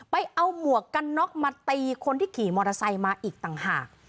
ไปเอาหมวกกันน็อกมาตีคนที่ขี่มอเตอร์ไซค์มาอีกต่างหาก